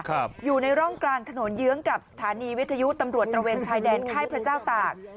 อยู่ในร่องกลางถนนเยื้องกับสถานีวิทยุตำรวจตระเวนชายแดนค่ายพระเจ้าตาก